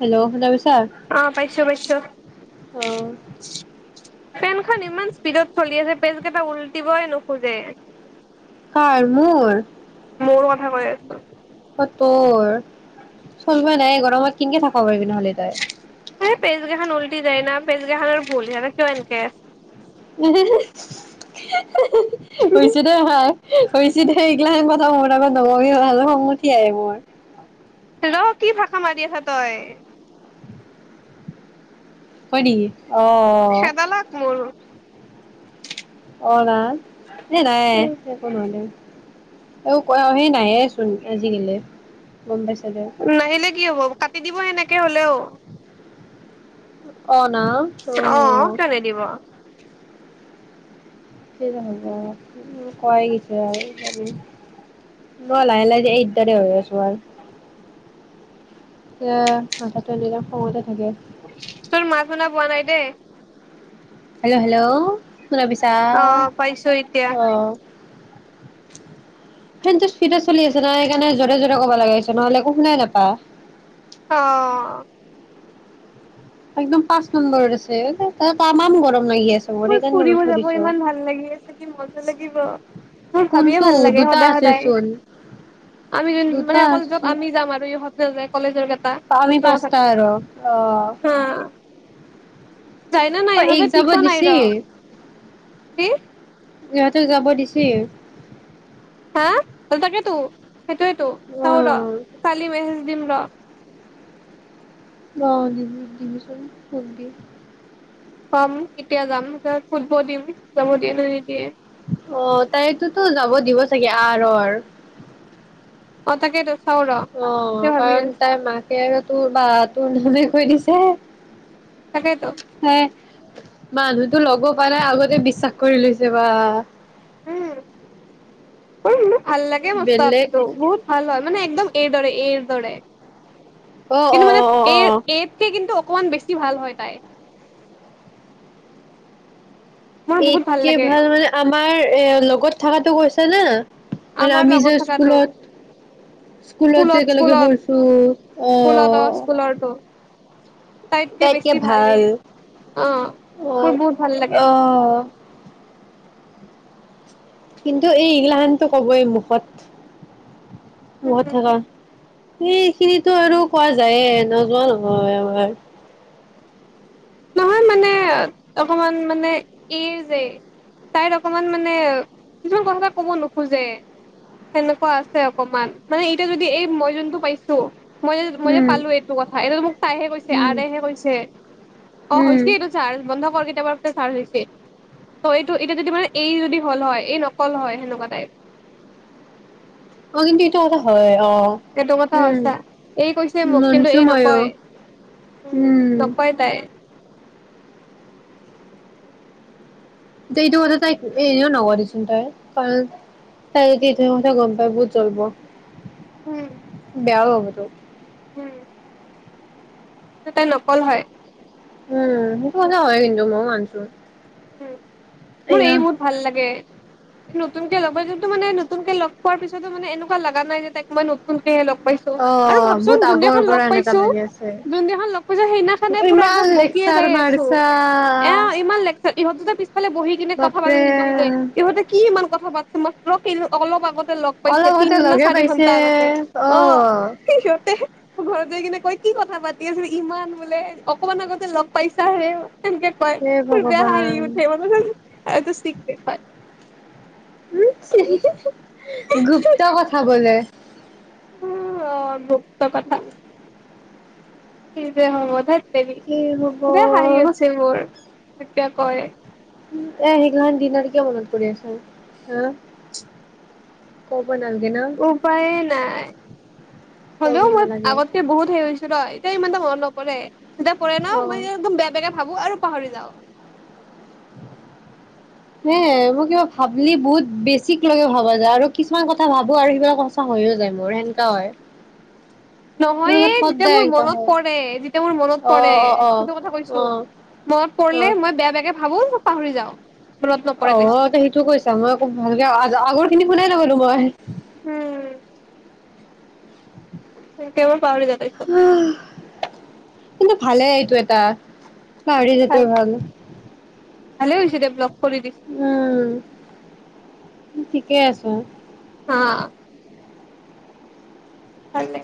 Hello শুনা পাইছা? উ অ' পাইছো-পাইছো। অ', ফেনখন ইমান স্পীডত চলি আছে পেজ কেইটা উলটিবই নোখোজে। কাৰ মোৰ মোৰ কথা কৈ আছো কত বৰ চলবা নাই গৰমত কেনকে থাকবা পাৰিবি নহ'লে এই পেজ কেইখন তই উল্টি যায় ন পেছকেখানৰ ভুল হে কিয় এনকে হইছে দে ভাই হইছে দে, এইগিলাখন কথা মোৰ আগত নকবি ভাই ভালো খঙ উঠি আহে মোৰ ৰহ কি ভাষা মাতি আছ তই। হয় নেকি? অ', সেদালাক মোৰ অ' নাত এ নায়ে একো নহয় দে। আৰু কৰা হেই নায়েই চোন আজি দিলে। নাহিলে কি হ'ব? কাটি দিব সেনেকে হ'লেও। [inaudible] অ', না অ'। কিয় নিদিব। কিযে হ'ব। উম কয় গৈছে আৰু মই লাহে লাহে যে এইদ তাতে হৈ আছো আৰু। এ মাথাটো এনি টাইম খঙতে থাকে। তোৰ মাত শুনা পোৱা নাই দেই। Hello hello. শুনা পাইছা অ', পাইছো এতিয়া অ'। ফেনটো স্পীডত চলি আছে নহয়, সেইকাৰণে যৰে যৰে ক'ব লগা হৈছে নহ'লে একো শুনাই নাপা। অ'। একদম পাঁচ নম্বৰ আছে, একে তামাম গৰম। লাগি আছে মোৰ সেইকাৰণে মই ফুৰিব থৈ যাব দিছো। ইমান ভাল লাগি আছে যি মজা লাগিব। মোৰ ভাবিয়ে কোনটো ভাল লাগে দুটা সদায় আছে সদায়, চোন আমি যোন দুটা মানে অকল আছে। য'ত আমি যাম আৰু ইহ আছে যে কলেজৰ কেতা আমি পাঁচটা আৰু অ' হা যায় না নাই অ' ইহঁতে এইক ঠিক যাব পোৱা নাই ৰ দিছি। কি? কি? ইহঁতে যাব দিছি? হা, অ তাকেটো। সেইটোয়েটো। চাও অ'। ৰহ কালি মেছেজ দিম ৰ। অ, দিবি দিমিছোন ধূপ দি। পাম কেতিয়া যাম তাৰ পিচত খুধব দিম যাব দিয়ে নে নিদিয়ে। অ, তাইতোটো যাব দিব চাগে আৰৰ- অ তাকেটো। অ, কাৰণ তাই মাকে আৰু তোৰ মা তোৰ নামে কৈ দিছে। তাকেইতো হে মানুহতো লগ পানায় আগতে বিশ্বাস কৰি লৈছে বা। উম। উম। ভাল লাগে মস্ত বেলেগ আপিতো বহুত ভাল হয়। মানে একদম এৰ দৰে এৰ দৰে। অ', কিন্তু অ', মানে অ', অ', এৰ অ'। এতকে কিন্তু অকমান বেছি ভাল হয় তাই। মোৰ বহুত এতকে লাগে ভাল মানে আমাৰ এ লগত থাকাটো কৈছ [unintelligible] মানে আমাৰ আমি লগত যে থকাটো স্কুলত স্কুলত যে একেলগে পঢ়িছো স্কুলত অ অঁ স্কুলৰটো তাইতকে বেছি ভালেই ভাল অ মোৰ অঁ, বহুত ভাল লাগে অঁ। কিন্তু এই এইগিলাখানটো কবয়েই মুখত। উম [unintelligible] সেইখিনিতো আৰু কোৱা যায়ে নযোৱা নহয় আমাৰ। নহয় মানে অকমান মানে এৰ যে, তাইৰ অকমান মানে, কিছুমান কথা তাই কব নোখোজে সেনেকুৱা আছে অকমান, মানে এতিয়া যদি এই মই যোনটো পাইছো মইও মইও উম। পালো এইটো কথা এইটো মোক তাইহে কৈছে উম আৰেহে কৈছে। অ উম হৈছে এইটো চাৰ্জ বন্ধ [unintelligible] চাৰ্জ হৈছে ত' এইটো এতিয়া যদি মানে এই যদি হ'ল হয় এই নকল হয় সেনেকুৱা টাইপ। অ' কিন্তু এইটো কথা হয়। অ এইটো কথা উম সঁচা এই কৈছে মোক কিন্তু মানছো এই মইও নকয় উম নকয় তাই। দে এইটো কথা তাইক এনেও নকও দিচোন তাই কাৰণ তাই যে এইটো কথা গম পাই বহুত জলব। উম। বেয়াও পাব তোক। উম। তাই নকল হয়। উম' সেইটো কথা হয় কিন্তু মইও মানচো। উম। মোৰ এই বহুত ভাল লাগে। নতুনকে লগৰ যোনটো মানে নতুনকে লগ পোৱাৰ পিছতো মানে এনেকুৱা লগা নাই যে তাক মই নতুন সেয়ে লগ পাইছো অ আৰু বহুত ভাবচোন আগৰ যোনদিনাখন পৰা লগ এনেকা পাইছো লাগি আছে যোনদিনাখন লগ পাইছো সেইদিনাখনে পুৰা ইমান একদম বকিয়ে লেকচাৰ যায়ে আ মাৰছা এ ইমান লেকচা ইহঁত যে পিছফালে বহি কিনে কথা পাতে বাপৰে নিজে নিজে ইহঁতে কি মা কথা পাতচে মাত্ৰ অলপ আগত লগ পাইছে অলপ তিন আগতে ন লগে চাৰি পাইছে ঘন্টা আগতে অ' সিহঁতে। ঘৰত যায় কিনে কয় কি কথা পাতি আছিলো ইমান বোলে অকমান আগতে লগ পাইছি চা [unintelligible] তেনকে কয় হে মোৰ বেয়া হাঁহি ভগৱান উঠে [unintelligible] এইটো চিক্ৰেট বাট উম [unintelligible] গুপ্ত কথা বোলে। উম অ' গুপ্ত কথা। কি যে হ'ব ধেৎ। কি হ'ব হাঁহি আছে মোৰ। কিবা কৰে। এ সেইগিলাখান দিনাৰ ক মনত কৰি আছ হা নালাগে ন উপায়ে নাই ক'ব হ'লেও মই নালাগে আগতকে বহুত হেৰি হৈছো ন'? কেই মানে হ' লগ পৰে তেতিয়া পৰে ন, অ মই একদম বেয়া বেগে ভাবো আৰু পাহৰি যাও। হে মই কিবা ভাবিলি বহুত বেছিক লগে ভাবা যায় আৰু কিছুমান কথা ভাবো আৰু সিবিলাক সঁচা হৈয়ো যায় মোৰ সেনেকা হয়। নহয় মোৰ যেতিয়া সদায় মোৰ এনেকা মনত হয় পৰে যেতিয়া মোৰ মনত অ পৰে অ অ সেইটো কথা অ কৈছো, মনত অ পৰিলে মই বেয়া বেয়াকে ভাবো পাহৰি যাওঁ। মনত নপৰে তাৰপিছত অ' তই সেইটো কৈছা মই ভালকে আগৰ, আগৰ খিনি শুনাই নাপালো মই উম'। তেওঁ পাহৰি যাওঁ তাৰপিছত কিন্তু ভালে এইটো এটা পাহাৰি যোৱাটোৱে ভাল ভালে হৈছে দে ব্লক কৰি দিছে উম'। ঠিকেই আছো। অ'। ভালে,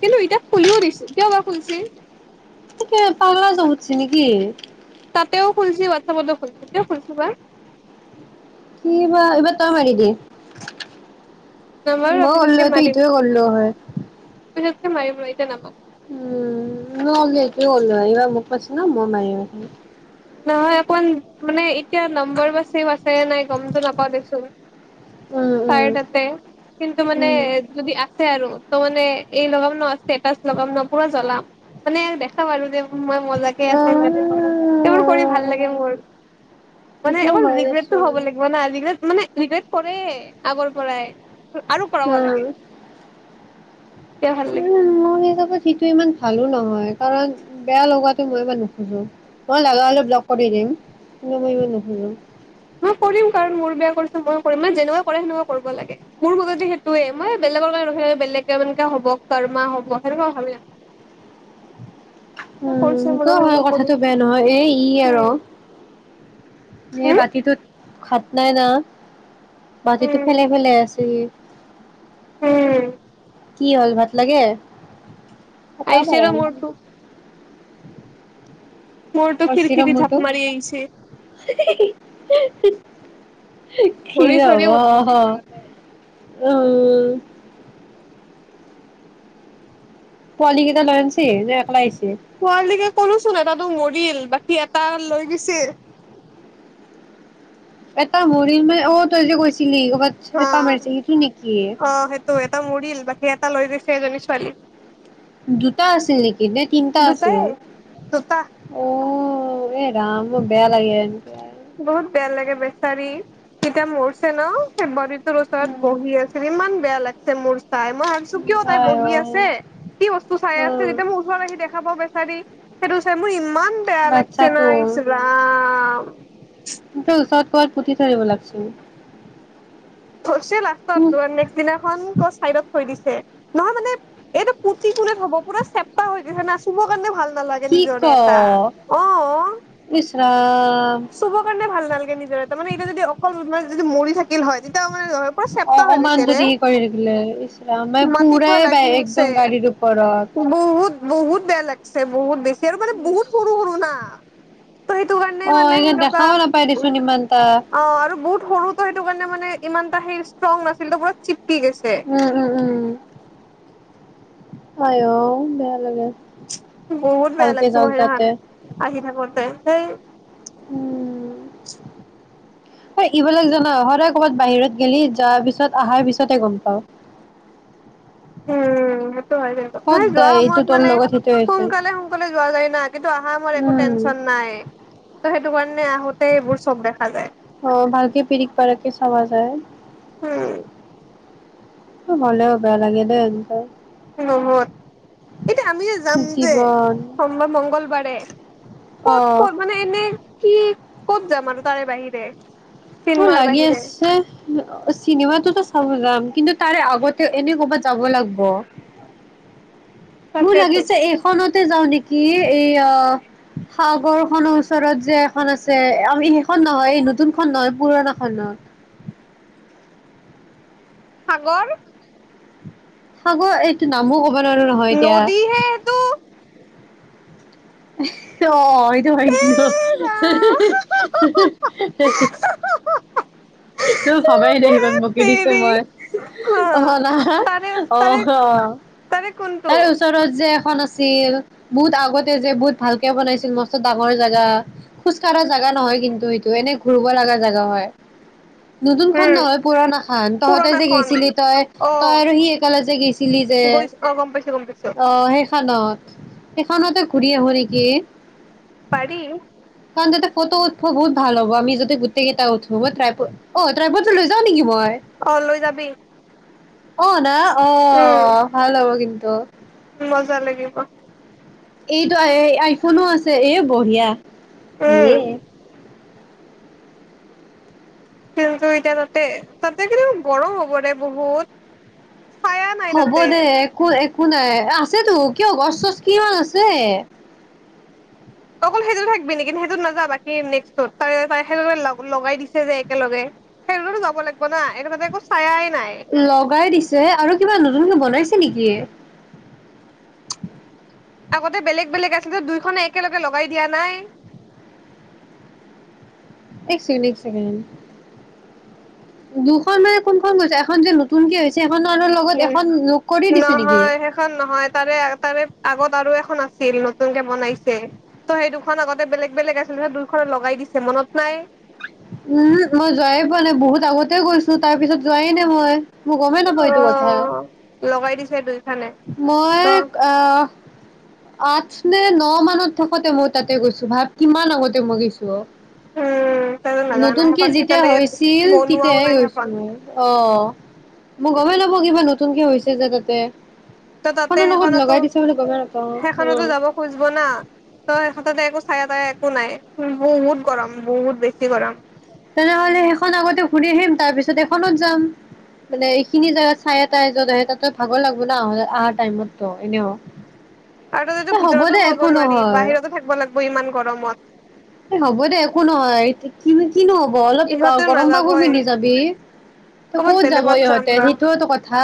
কিন্তু এতিয়া খুলিও দিছে, কিয় বা খুলছি। এ পাগলা জক উঠিছে নেকি। তাতেও খুলচি, হোৱাটচএপতো খুলচি, কিয় খুলচি বা। কি বা [unintelligible] নামাৰো ৰ মই পিছতকে [unintelligible] মাৰিম এইটোৱে কৰলো হয়। পিছতকে মাৰিম ৰ এতিয়া নামা উম, মই হ'লেও এইটোৱে কৰলো হয়, এইবাৰ মোক পাইছে না মই মাৰি নহয় অকমান, মানে এতিয়া নম্বৰ বা ছেভ আছে নাই গমটো নাপাও দেচোন, উম উম তাইৰতাতে। কিন্তু মানে উম যদি আছে আৰু ত' মানে এই লগাম ন ষ্টেটাচ লগাম ন, পোৰা জ্বলাম। মানে দেখাম আৰু যে মই মজাকে অ', আছে [unintelligible] সেইবোৰ কৰি ভাল লাগে মোৰ, মানে সেইটোও অকণ হয় ৰিগ্ৰেটটো দেচোন হ'ব লাগিব না, ৰিগ্ৰেট মানে ৰিগ্ৰেট কৰেই, আগৰ পৰাই। আৰু কৰাব উম লাগে। তেতিয়া ভাল লাগে উম, মই এইলগত সেইটো ইমান ভালো নহয়, কাৰণ বেয়া লগোৱাটো মই ইমান নোখোজোঁ, মই লগা হ'লে ব্লক কৰি দিম, কিন্তু মই ইমান নোখোজোঁ। মই কৰিম কাৰণ, মোৰ বেয়া কৰিছে ময়ো কৰিম, যেনেকুৱা কৰে সেনেকুৱা কৰিব লাগে, মোৰ মতে সেইটোয়ে মই বেলেগৰ কাৰণে ৰখি নাথাকো বেলেগে মানে হ'ব কৰ্মা হ'ব, সেনেকুৱা ভাবি নাথাকো উম, কৰিছে মোৰ সেইটোও হেৰি হয়, কথাটো বেয়া উম নহয়। এ ই আৰু এই উম বাতিটোত খাত নাই না। বাতিটো উম ফেলাই-ফেলাই আছে ই। উম কি হ'ল ভাত লাগে। পতা আহিছে পৰা ৰ নাই মোৰটো। পাইছি ৰ খিৰকিৰি ঢাপ মোৰতো মাৰি আহিছে [unintelligible] কি ভৰি চৰি হ'ব। উদ্ভা খোজে গোটেই উম পোৱালী কেইটা লৈ আনছি, নে একলা আহিছে। পোৱালি [unintelligible] চোন এটাতো মৰিল, বাকী এটা লৈ গৈছে। এটা মৰিল মানে অ' তই যে কৈছি চিলি ক'ৰবাত হা চেপা মাৰিছে, সেইটো নেকি? -টা লৈ গৈছে এজনী ছোৱালী। দুটা আছিল নেকি নে তিনটা দুটাই আছিল, দুটা অ'। অ' এই ৰাম মোৰ বেয়া লাগে। বহুত [unintelligible] বেয়া লাগে বেচাৰি, তেতিয়া মৰছে ন ফেব্ৰুৱাৰীত তোৰ ওচৰত বহি আছিল, ইমান বেয়া লাগ- ছে মোৰ। চাই মই ভাবছো কিয় তাই আই অ বহি আছে, কি বস্তু চাই আছে উম যেতিয়া মই ওচৰত আহি দেখা পাওঁ বেচাৰি সেইটো হৈছে মোৰ ইমান বেয়া লাগিছে না বাচ্ছাটো ইছ ৰাম। [unintelligible] ওচৰত ক'ৰবাত পুতি থৈ দিব লাগিছিল। থৈছে লাষ্টত নেক্সট দিনাখন ক'ত চাইডত থৈ দিছে। নহয় মানে এইটো পুতি কোনে থ'ব পুৰা চেপটা হৈ গৈছে না, চুব কাৰণে ভাল নালাগে কি ক নিজৰে এটা, অ' ইচ ৰাম চুব কাৰণে ভাল নালাগে নিজৰে এটা মানে এতিয়া যদি অকল যদি মৰি থাকিল হয় [unintelligible] পোৰা চেপেটা হৈ অকমান গৈছে ৰে, যদি হে কৰি থাকিলে ইচৰাম মানে মাটিত পোৰা পুৰাই বাই লাগি আছে, একদম গাড়ীৰ ওপৰত। বহুত- বহুত বেয়া লাগছে বহুত বেছি আৰু মানে বহুত সৰু- সৰু না, ত' সেইটো কাৰণে অ মানে এনে সেনেকুৱা, দেখাও নাপাই দেচোন ইমানটা অ' আৰু বহুত সৰু ত' সেইটো কাৰণে মানে ইমানটা সি ষ্ট্ৰং নাছিল ত' পোৰা চিপ উম উম- উম। আই অ' বেয়া লাগে। বহুত বেয়া ভালকে লাগছে যাওক মোৰ সেইদিনাখন, যাতে আহি থাকোতে থেই। [inaudible] অই এইবিলাক জানা, সদায় কৰ'বাত বাহিৰত গেলি যোৱাৰ পিছত আহাৰ পিছতহে গম পাও। উম তই আহিলি এপাক, নাই যোৱা সদায় এইটো সময়ত তোৰ মানে লগত সেইটো হৈছে সোনকালে -সোনকালে যোৱা যায় না কিন্তু অহা সময়ত একো উম। টেনচন নাই ত' সেই [unintelligible] অ' ভালকে পিৰিক পাৰাক কে চাৱা যায় [unintelligible] উম [unintelligible] দে এনেকুৱা নহয়, এতিয়া আমিযে যাম যে, জীৱন সোমবাৰ মংগলবাৰে, অ। ক'ত-ক'ত মানে এনে কি ক'ত যাম আৰু তাৰে বাহিৰে। অ' চিনেমাৰ লাগি বাহিৰে আছে চিনেমাটোতো চাব যাম, কিন্তু তাৰে আগত তে এনে কৰ'বাত যাব লাগব। [inaudible] মোৰ তাকেতো লাগিছে এইখনতে যাও নেকি কি এই অ' সাগৰখনৰ ওচৰত যে এখন আছে যে, আমি সেইখন নহয় এই নতুন খন নহয় পুৰণা খনত। সাগৰ? সাগৰ এইটো নামো নোৱাৰো নহয় এতিয়া নদী হে সেইটো। অ' এইটো ভন এ ৰাম একো ভাবাই নাই ইমান ধেৎ বকি দিছো তেৰি মই হা অ' না তাৰে তাৰে অ' তাৰে কোনটো তাইৰ ওচৰত যে, এখন আছিল বহুত আগতে যে বহুত ভালকে বনাইছিল, মস্ত ডাঙৰ জেগা খোজ কঢ়া জেগা নহয় কিন্তু সেটো এনে ঘূৰিব লগা জেগা হয়। নতুন খন উম নহয় পুৰণা খান। তহতে যে পুৰণাখন গেইছিলি অ তই-তই আৰু সি একালগে যে গৈছিলি যে, গৈছ অ গম পাইছো গম পাইছো অ' সেই খানত সেইখনতে ঘূৰি আহো নেকি? পাৰি। কাৰণ তাতে ফটো উঠব বহুত ভাল হব আমি যদি গোটেইটা উঠো বহুত অ' ড্ৰাইভাৰটো লৈ যাও নেকি মই? অ' লৈ যাবি। অ' না, উম অ' ভাল হ'ব কিন্ত। ভাল লাগিব। এইটো আই আইফোনো আছে এই বঢ়িয়া। দিয়ে, উম কিন্তু এতিয়া তাতে-তাতে কিন্তু গৰম হ'ব দে বহুত। চায়া নাই হ'ব তাতে দে একো-একো। একো নাই আছেতো কিয় গছ-চছ কিমান আছে। অকল সেইটোতে থাকিবি নেকি? সেইটোত নাযাবা বাকী নেক্সটোত। তাৰে-তাৰে সেইতো লগাই দিছে যে একেলগে সেইটোতো যাব লাগিব না এনেকোৱা তাতে একো চায়াই, নাই লগাই দিছে আৰু কিবা নতুনকে বনাইছে। নেকি এ, আগতে বেলেগ-বেলেগ আছিল যে দুইখনে একেলগে লগাই দিয়া নাই। এক ছেকেণ্ড, এক ছেকেণ্ড। দুখন মানে কোনখন কৈছা এখন যে নতুনকে হৈছে। এখনৰ লগত উম এখন যোগ কৰি দিছে নেকি নহয় সেইখন নহয় তাৰে-তাৰে আগত আৰু এখন আছিল নতুনকে বনাইছে ত' সেই দুখন আগতে বেলেগ-বেলেগ আছিল, দুইখনকে লগাই দিছে মনত নাই। উম' হুক, মই যোৱাই পোৱা নাই বহুত আগতে গৈছো তাৰ পিছত যোৱাই নাই মই। মই গমেই নাপাওঁ এইটো কথা অ' লগাই দিছে দুই খান। মই আঁহ। আঠ নে ন মানত থাকোতে মই তাতে গৈছো, ভাব কিমান আগতে মই গৈছো। অ', উম তইতো নাজানা নতুনকে সেইখন যেতিয়া তেতিয়ালৈকে হৈছিল বনোৱাও তেতিয়াই নাই গৈছো সেইখন মই, অ', মই গমেই নাপাওঁ। কিবা নতুন নতুনকে হৈছে যে তাতে। ত' তাতে খনৰ লগত সেইখনতো লগাই দিছে বুলি গমেই নাপাওঁ সেইখনতো উম যাব খুজিব না ত সেইতে একো চায়া-তায়া একো নাই বহুত গৰম, বহুত বেছি গৰম। তেনেহলে সেইখন আগতে ঘুৰি আহিম তাৰ পিছত এখনত যাম মানে এইখিনি জগাত চায়া-তায়া যত আহে তাতে ভাগৰ লাগব ন আহা টাইমতো এনেও। আৰু তাতে এ হ'ব ভিতৰতো দে সোমাব একো নোৱাৰি নহয় বাহিৰতো থাকিব লাগিব ইমান গৰমত। এই হ'ব দে একো নহয় কি কিনোহ'ব অলপ ইহঁতেও গৰম কাপোৰ নাযাবই পিন্ধি যাবি, তই ক'বাত কত যাব বেলেগত যাম ইহঁতে, ৰ সেইটোতো কথা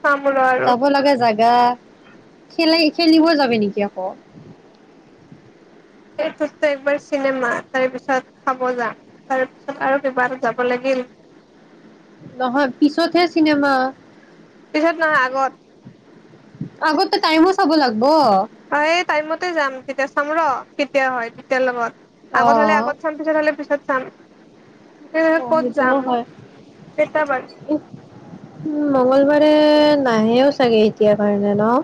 চাম ৰ আৰু যাব লগা জাগা খিলী খেলিব যাব নেকি আকৌ। সেইটোতো একবাৰ চিনেমা তাৰপিছত খাব যাম তাৰপিছত আৰু কিবা এটাত যাব লাগিল। নহয় পিছতহে চিনেমা। পিছত নহয় আগত। আগতে টাইমো চাব লাগবো। ব। টাইম মতে যাম তেতিয়া চাম ৰ কেতিয়া হয় তেতিয়াৰ লগত। আগত হ'লে অ', আগত চাম, পিছত হলে পিছত চাম। অ' ক'ত সেইটোও যাম হয় কেইটা বাজি উ মংগলবাৰে নাহেও চাগে এতিয়া কাৰণে নহ।